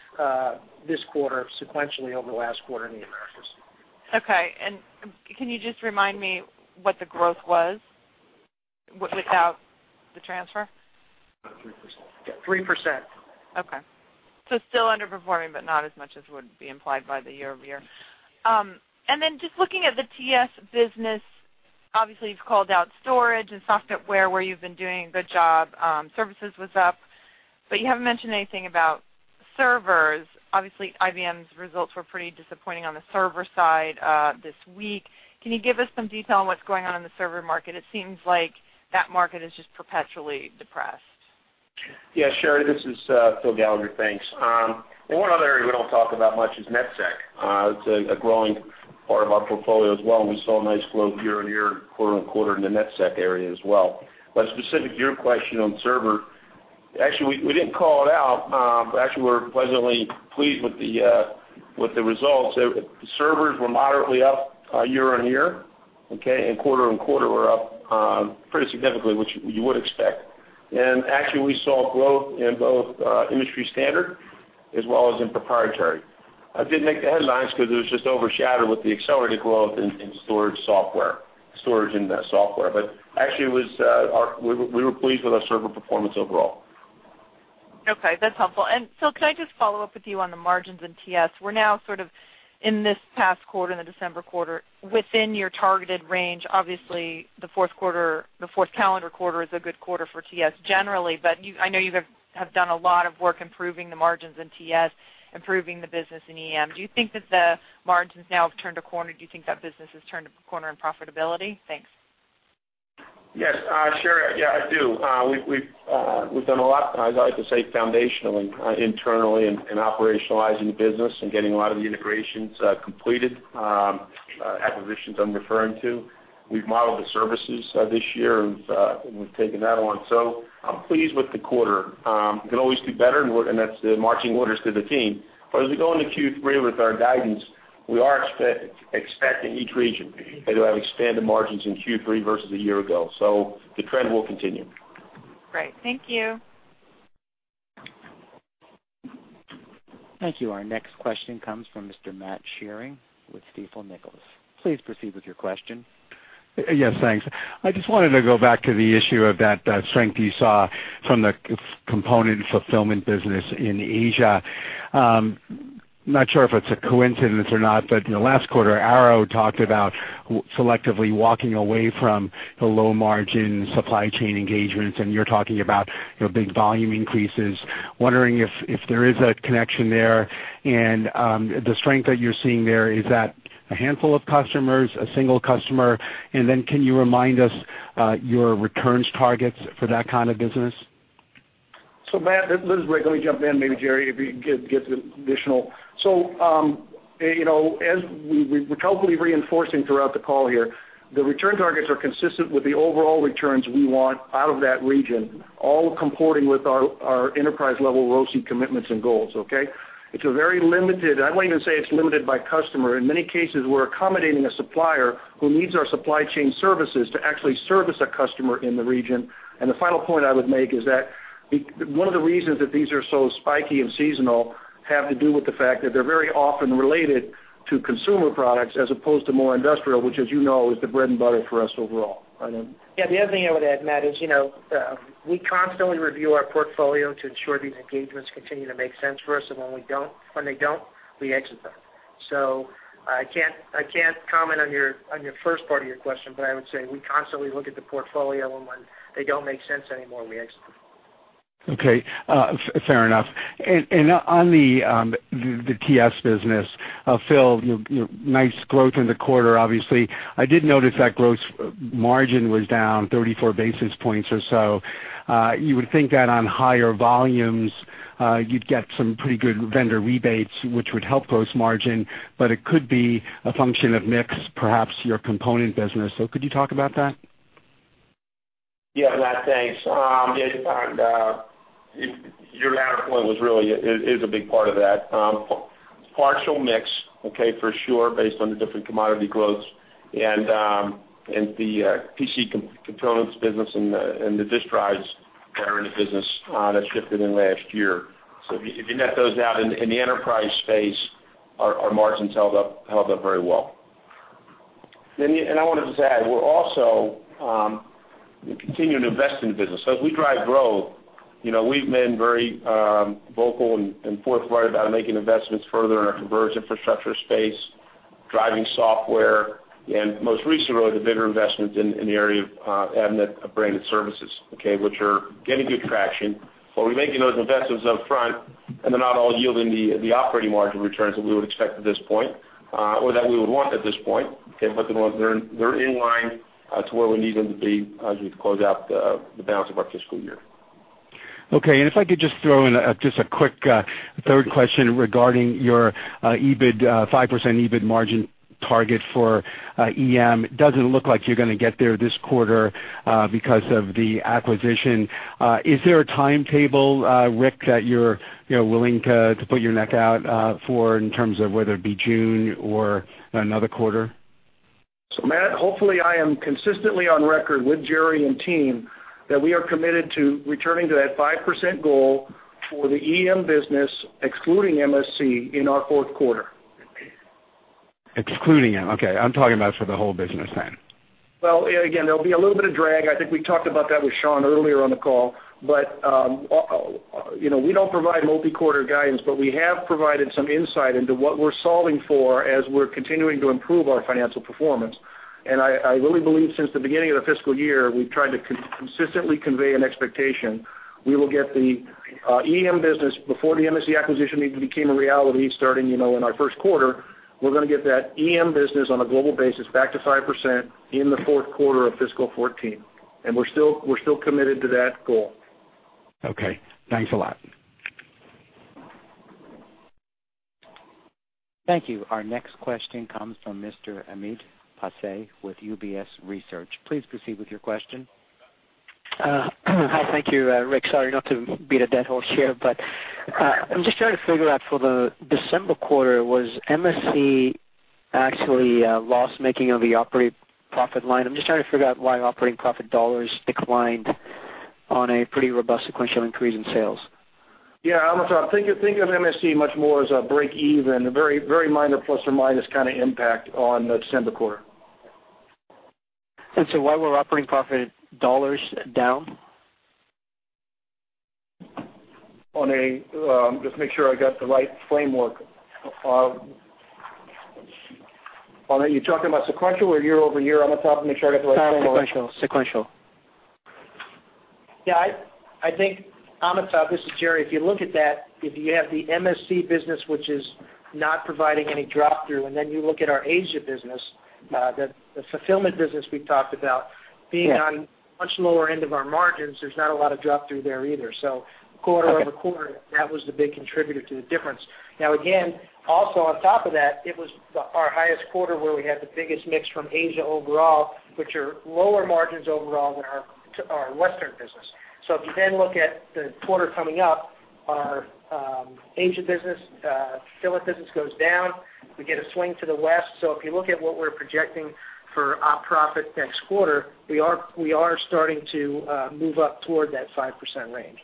this quarter sequentially over the last quarter in the Americas. Okay. And can you just remind me what the growth was without the transfer? About 3%. Three percent. Okay. So still underperforming, but not as much as would be implied by the year-over-year. And then just looking at the TS business, obviously, you've called out storage and software, where you've been doing a good job. Services was up, but you haven't mentioned anything about servers. Obviously, IBM's results were pretty disappointing on the server side this week. Can you give us some detail on what's going on in the server market? It seems like that market is just perpetually depressed. Yeah, Sherri, this is Phil Gallagher. Thanks. One other area we don't talk about much is NetSec. It's a growing part of our portfolio as well, and we saw a nice growth year-over-year, quarter-over-quarter in the NetSec area as well. But specific to your question on server, actually, we didn't call it out, but actually, we're pleasantly pleased with the results. So servers were moderately up year-over-year, okay, and quarter-over-quarter were up pretty significantly, which you would expect. And actually, we saw growth in both industry standard as well as in proprietary. It didn't make the headlines because it was just overshadowed with the accelerated growth in storage software-storage and software. But actually, it was our-we were, we were pleased with our server performance overall. Okay, that's helpful. And Phil, could I just follow up with you on the margins in TS? We're now sort of in this past quarter, in the December quarter, within your targeted range. Obviously, the fourth quarter, the fourth calendar quarter is a good quarter for TS generally, but I know you have done a lot of work improving the margins in TS, improving the business in EM. Do you think that the margins now have turned a corner? Do you think that business has turned a corner in profitability? Thanks. Yes, Sherri. Yeah, I do. We've done a lot, as I like to say, foundationally, internally in operationalizing the business and getting a lot of the integrations completed, acquisitions I'm referring to. We've modeled the services this year, and we've taken that on. So I'm pleased with the quarter. Can always do better, and that's the marching orders to the team. But as we go into Q3 with our guidance, we are expecting each region to have expanded margins in Q3 versus a year ago. So the trend will continue. Great. Thank you. Thank you. Our next question comes from Mr. Matt Sheerin with Stifel Nicolaus. Please proceed with your question. Yes, thanks. I just wanted to go back to the issue of that strength you saw from the component fulfillment business in Asia. Not sure if it's a coincidence or not, but in the last quarter, Arrow talked about selectively walking away from the low-margin supply chain engagements, and you're talking about, you know, big volume increases. Wondering if there is a connection there, and the strength that you're seeing there, is that a handful of customers, a single customer? And then can you remind us your returns targets for that kind of business? So, Matt, let us wait. Let me jump in, maybe, Gerry, if you can give some additional... So, you know, as we, we're hopefully reinforcing throughout the call here, the return targets are consistent with the overall returns we want out of that region, all comporting with our enterprise-level ROC commitments and goals, okay? It's a very limited, I won't even say it's limited by customer. In many cases, we're accommodating a supplier who needs our supply chain services to actually service a customer in the region. And the final point I would make is that one of the reasons that these are so spiky and seasonal have to do with the fact that they're very often related to consumer products as opposed to more industrial, which, as you know, is the bread and butter for us overall. Go ahead. Yeah, the other thing I would add, Matt, is, you know, we constantly review our portfolio to ensure these engagements continue to make sense for us. And when we don't, when they don't, we exit them. So I can't, I can't comment on your, on your first part of your question, but I would say we constantly look at the portfolio, and when they don't make sense anymore, we exit them. Okay, fair enough. And on the TS business, Phil, nice growth in the quarter, obviously. I did notice that gross margin was down 34 basis points or so. You would think that on higher volumes, you'd get some pretty good vendor rebates, which would help gross margin, but it could be a function of mix, perhaps your component business. So could you talk about that? Yeah, Matt, thanks. Yeah, and your latter point was really a big part of that. Product mix, okay, for sure, based on the different commodity quotes and the PC components business and the disk drives that are in the business that shifted in last year. So if you net those out in the enterprise space, our margins held up very well. Then I wanted to just add, we're also continuing to invest in the business. So as we drive growth, you know, we've been very vocal and forthright about making investments further in our converged infrastructure space, driving software, and most recently, the bigger investments in the area of Avnet Branded Services, okay, which are getting good traction. But we're making those investments up front, and they're not all yielding the operating margin returns that we would expect at this point, or that we would want at this point. Okay, but they're in line to where we need them to be as we close out the balance of our fiscal year. Okay, and if I could just throw in just a quick third question regarding your EBIT 5% EBIT margin target for EM. It doesn't look like you're going to get there this quarter because of the acquisition. Is there a timetable, Rick, that you're willing to put your neck out for in terms of whether it be June or another quarter? Matt, hopefully, I am consistently on record with Gerry and team that we are committed to returning to that 5% goal for the EM business, excluding MSC, in our fourth quarter. Excluding them. Okay, I'm talking about for the whole business then. Well, again, there'll be a little bit of drag. I think we talked about that with Sean earlier on the call. But, you know, we don't provide multi-quarter guidance, but we have provided some insight into what we're solving for as we're continuing to improve our financial performance. And I really believe since the beginning of the fiscal year, we've tried to consistently convey an expectation. We will get the EM business before the MSC acquisition even became a reality, starting, you know, in our first quarter. We're going to get that EM business on a global basis back to 5% in the fourth quarter of fiscal 2014, and we're still committed to that goal. Okay, thanks a lot. Thank you. Our next question comes from Mr. Amit Passi with UBS Research. Please proceed with your question. Hi. Thank you, Rick. Sorry, not to beat a dead horse here, but, I'm just trying to figure out for the December quarter, was MSC actually, loss-making on the operating profit line? I'm just trying to figure out why operating profit dollars declined on a pretty robust sequential increase in sales. Yeah, Amit, think of, think of MSC much more as a break-even, a very, very minor plus or minus kind of impact on the December quarter. Why were operating profit dollars down? Just make sure I got the right framework. Are you talking about sequential or year-over-year, Amit? Let me make sure I got the right framework. Sequential, sequential. Yeah, I think, Amit, this is Gerry. If you look at that, if you have the MSC business, which is not providing any drop-through, and then you look at our Asia business, the fulfillment business we've talked about, being on much lower end of our margins, there's not a lot of drop-through there either. So quarter over quarter, that was the big contributor to the difference. Now, again, also on top of that, it was our highest quarter where we had the biggest mix from Asia overall, which are lower margins overall than our Western business. So if you then look at the quarter coming up, our Asia business, fulfillment business goes down, we get a swing to the West. So if you look at what we're projecting for our profit next quarter, we are starting to move up toward that 5% range.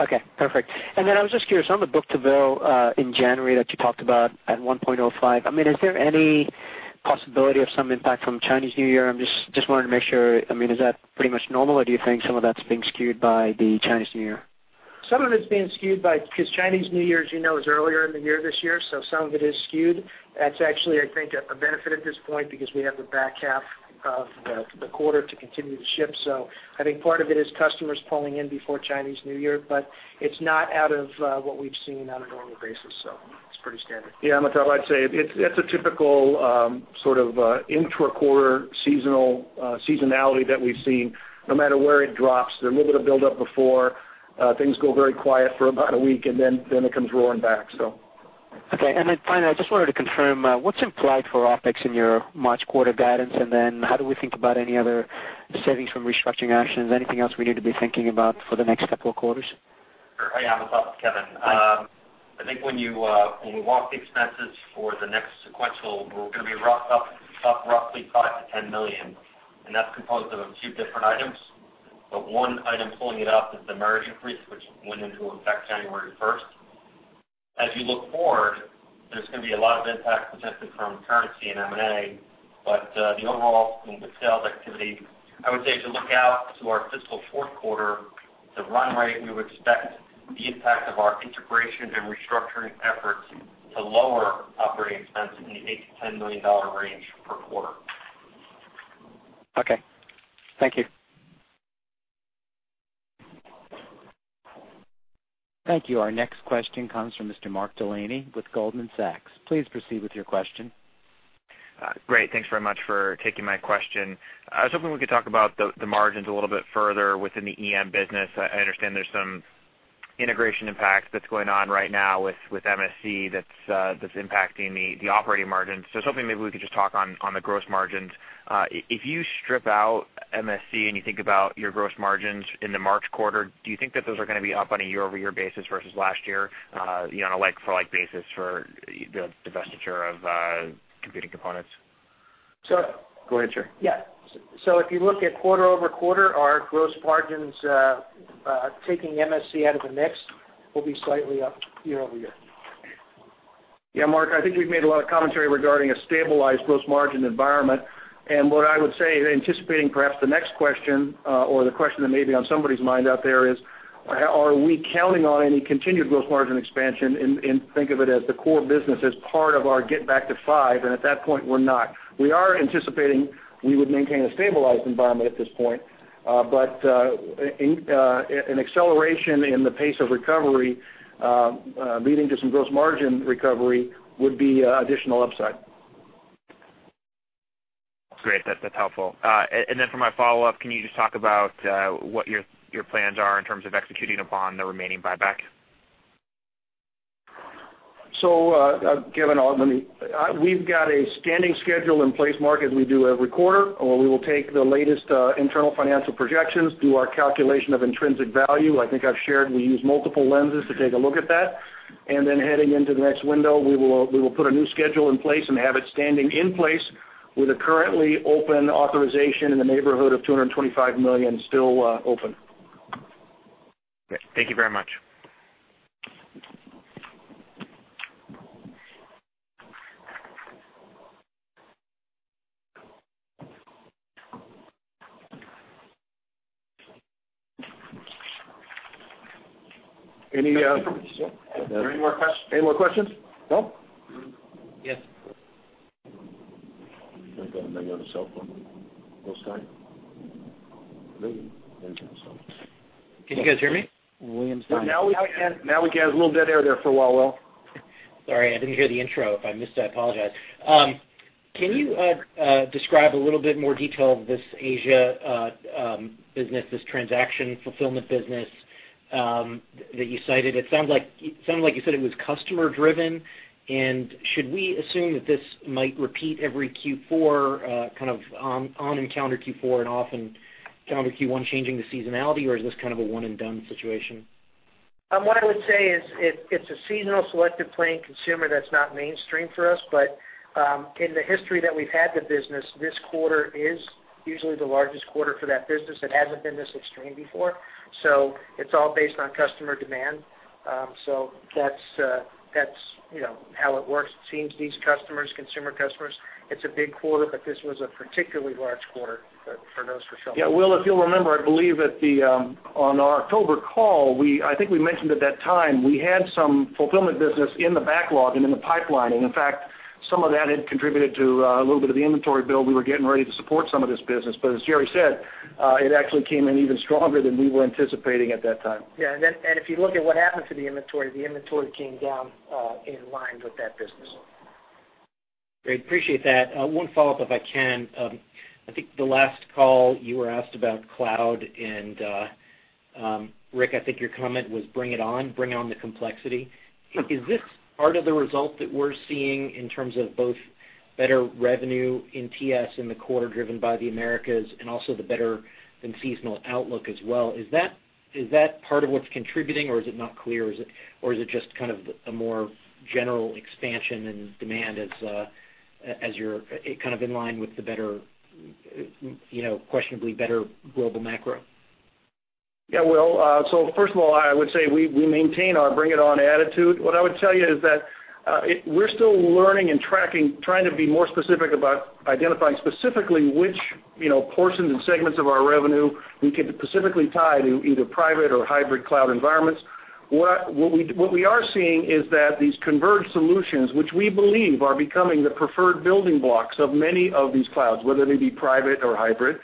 Okay, perfect. And then I was just curious on the book-to-bill in January, that you talked about at 1.05. I mean, is there any possibility of some impact from Chinese New Year? I'm just, just wanted to make sure. I mean, is that pretty much normal, or do you think some of that's being skewed by the Chinese New Year? Some of it's being skewed by, because Chinese New Year, as you know, is earlier in the year this year, so some of it is skewed. That's actually, I think, a benefit at this point because we have the back half of the, the quarter to continue to ship. So I think part of it is customers pulling in before Chinese New Year, but it's not out of what we've seen on a normal basis, so it's pretty standard. Yeah, Amit, I'd say it's a typical, sort of, intra-quarter seasonal, seasonality that we've seen. No matter where it drops, there's a little bit of buildup before, things go very quiet for about a week, and then it comes roaring back, so.... Okay, and then finally, I just wanted to confirm, what's implied for OpEx in your March quarter guidance, and then how do we think about any other savings from restructuring actions? Anything else we need to be thinking about for the next couple of quarters? Sure. Hey, Amit, this is Kevin. I think when you when we walk the expenses for the next sequential, we're gonna be roughly up $5 million-$10 million, and that's composed of a few different items. But one item pulling it up is the merger increase, which went into effect January first. As you look forward, there's gonna be a lot of impact potentially from currency and M&A, but the overall sales activity, I would say, as you look out to our fiscal fourth quarter, the run rate, we would expect the impact of our integration and restructuring efforts to lower operating expense in the $8 million-$10 million range per quarter. Okay. Thank you. Thank you. Our next question comes from Mr. Mark Delaney with Goldman Sachs. Please proceed with your question. Great. Thanks very much for taking my question. I was hoping we could talk about the margins a little bit further within the EM business. I understand there's some integration impact that's going on right now with MSC that's impacting the operating margins. So I was hoping maybe we could just talk on the gross margins. If you strip out MSC and you think about your gross margins in the March quarter, do you think that those are gonna be up on a year-over-year basis versus last year, you know, on a like-for-like basis for the divestiture of computing components? So- Go ahead, Gerry. Yeah. So if you look at quarter-over-quarter, our gross margins, taking MSC out of the mix, will be slightly up year-over-year. Yeah, Mark, I think we've made a lot of commentary regarding a stabilized gross margin environment. And what I would say, anticipating perhaps the next question, or the question that may be on somebody's mind out there is, are we counting on any continued gross margin expansion and think of it as the core business as part of our get back to five? And at that point, we're not. We are anticipating we would maintain a stabilized environment at this point, but in an acceleration in the pace of recovery, leading to some gross margin recovery would be additional upside. That's great. That's, that's helpful. And, and then for my follow-up, can you just talk about what your, your plans are in terms of executing upon the remaining buyback? Given all, let me. We've got a standing schedule in place, Mark, as we do every quarter, where we will take the latest internal financial projections, do our calculation of intrinsic value. I think I've shared we use multiple lenses to take a look at that. Then heading into the next window, we will, we will put a new schedule in place and have it standing in place with a currently open authorization in the neighborhood of $225 million still open. Thank you very much. Any, uh- Any more questions? Any more questions? No? Yes. Can you hear me? William Stein. Now we had a little dead air there for a while, Will. Sorry, I didn't hear the intro. If I missed it, I apologize. Can you describe a little bit more detail of this Asia business, this transaction fulfillment business, that you cited? It sounds like you said it was customer driven, and should we assume that this might repeat every Q4 in calendar Q4 and off in calendar Q1, changing the seasonality, or is this kind of a one-and-done situation? What I would say is it, it's a seasonal selective playing consumer that's not mainstream for us, but in the history that we've had the business, this quarter is usually the largest quarter for that business. It hasn't been this extreme before, so it's all based on customer demand. So that's, that's, you know, how it works. It seems these customers, consumer customers, it's a big quarter, but this was a particularly large quarter for, for those fulfillments. Yeah, Will, if you'll remember, I believe at the on our October call, we—I think we mentioned at that time, we had some fulfillment business in the backlog and in the pipeline. And in fact, some of that had contributed to a little bit of the inventory build. We were getting ready to support some of this business, but as Gerry said, it actually came in even stronger than we were anticipating at that time. Yeah, and then, and if you look at what happened to the inventory, the inventory came down, in line with that business. Great, appreciate that. One follow-up, if I can. I think the last call, you were asked about cloud, and, Rick, I think your comment was, "Bring it on. Bring on the complexity." Is this part of the result that we're seeing in terms of both better revenue in TS in the quarter, driven by the Americas, and also the better than seasonal outlook as well? Is that, is that part of what's contributing, or is it not clear? Or is it, or is it just kind of a more general expansion and demand as, as you're kind of in line with the better, you know, questionably better global macro? Yeah, Will, so first of all, I would say we, we maintain our bring it on attitude. What I would tell you is that, we're still learning and tracking, trying to be more specific about identifying specifically which, you know, portions and segments of our revenue we can specifically tie to either private or hybrid cloud environments. What I, what we, what we are seeing is that these converged solutions, which we believe are becoming the preferred building blocks of many of these clouds, whether they be private or hybrid,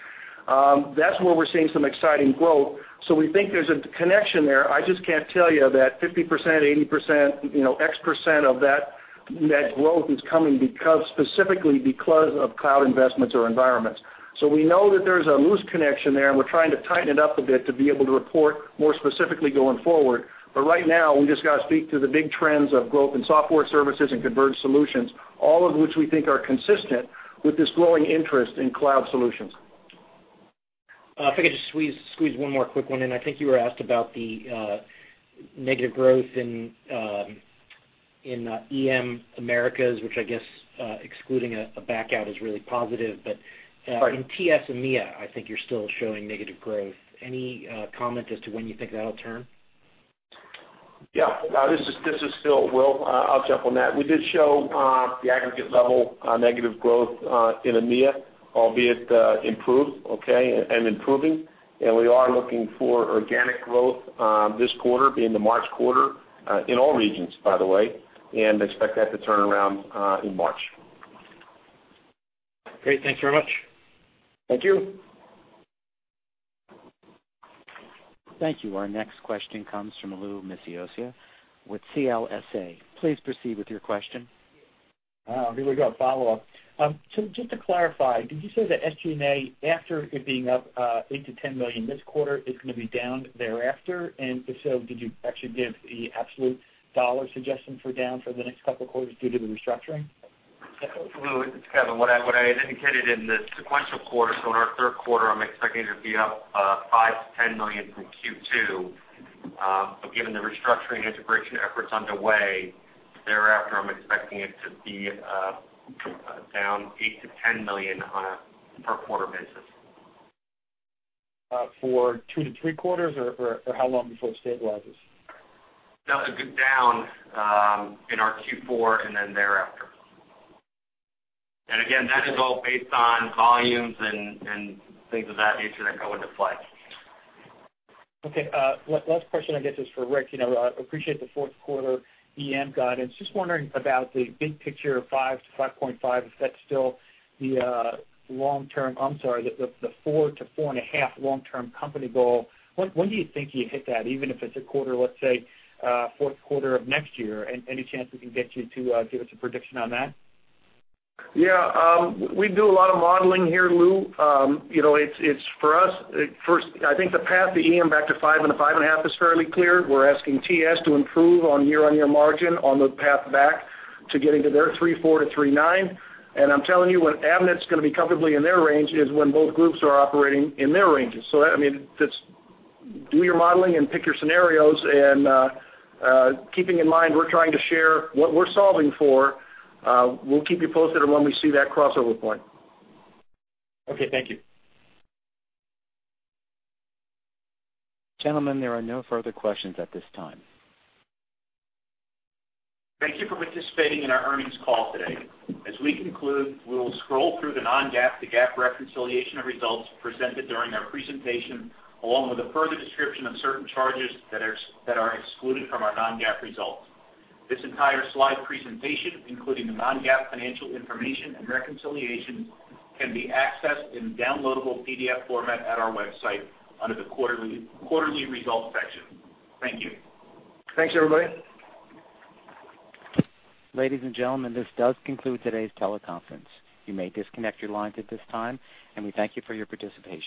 that's where we're seeing some exciting growth. So we think there's a connection there. I just can't tell you that 50%, 80%, you know, X% of that, that growth is coming because, specifically because of cloud investments or environments.... So we know that there's a loose connection there, and we're trying to tighten it up a bit to be able to report more specifically going forward. But right now, we just gotta speak to the big trends of growth in software services and converged solutions, all of which we think are consistent with this growing interest in cloud solutions. If I could just squeeze one more quick one in. I think you were asked about the negative growth in EM Americas, which I guess excluding a backout, is really positive. But- Right In TS and EMEA, I think you're still showing negative growth. Any comment as to when you think that'll turn? Yeah, this is still Will. I'll jump on that. We did show the aggregate level negative growth in EMEA, albeit improved, okay, and improving. And we are looking for organic growth this quarter, being the March quarter, in all regions, by the way, and expect that to turn around in March. Great. Thank you very much. Thank you. Thank you. Our next question comes from Lou Miscioscia with CLSA. Please proceed with your question. Here we go. Follow-up. So just to clarify, did you say that SG&A, after it being up $8 million-$10 million this quarter, is gonna be down thereafter? And if so, did you actually give the absolute dollar suggestion for down for the next couple of quarters due to the restructuring? Lou, it's Kevin. What I had indicated in the sequential quarter, so in our third quarter, I'm expecting it to be up $5 million-$10 million from Q2. But given the restructuring and integration efforts underway, thereafter, I'm expecting it to be down $8 million-$10 million on a per-quarter basis. For 2-3 quarters or, or, or how long before it stabilizes? No, it'll be down in our Q4 and then thereafter. And again, that is all based on volumes and things of that nature that go into play. Okay, last question, I guess, is for Rick. You know, appreciate the fourth quarter EM guidance. Just wondering about the big picture of 5 to 5.5, if that's still the long term—I'm sorry, the four to 4.5 long-term company goal. When do you think you hit that? Even if it's a quarter, let's say fourth quarter of next year. Any chance we can get you to give us a prediction on that? Yeah, we do a lot of modeling here, Lou. You know, it's for us first. I think the path to EM back to 5% and 5.5% is fairly clear. We're asking TS to improve on year-on-year margin on the path back to getting to their 3.4-3.9. And I'm telling you, when Avnet's gonna be comfortably in their range is when both groups are operating in their ranges. So that, I mean, do your modeling and pick your scenarios, and keeping in mind, we're trying to share what we're solving for. We'll keep you posted on when we see that crossover point. Okay, thank you. Gentlemen, there are no further questions at this time. Thank you for participating in our earnings call today. As we conclude, we will scroll through the non-GAAP to GAAP reconciliation of results presented during our presentation, along with a further description of certain charges that are excluded from our non-GAAP results. This entire slide presentation, including the non-GAAP financial information and reconciliation, can be accessed in downloadable PDF format at our website under the Quarterly Results section. Thank you. Thanks, everybody. Ladies and gentlemen, this does conclude today's teleconference. You may disconnect your lines at this time, and we thank you for your participation.